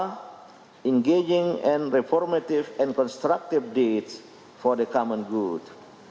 menggabungkan dan membuat perbuatan reformatif dan konstruktif untuk kebaikan masyarakat